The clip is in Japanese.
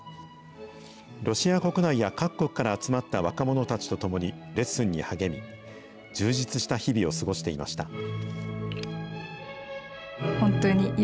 ロシア国内や各国から集まった若者たちと共にレッスンに励み、充実した日々を過ごしていました。